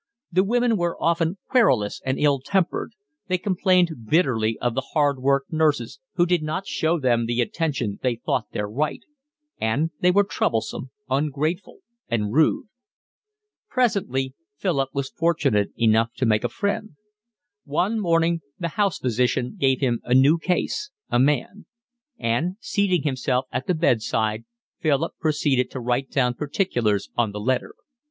The women were often querulous and ill tempered. They complained bitterly of the hard worked nurses, who did not show them the attention they thought their right; and they were troublesome, ungrateful, and rude. Presently Philip was fortunate enough to make a friend. One morning the house physician gave him a new case, a man; and, seating himself at the bedside, Philip proceeded to write down particulars on the 'letter.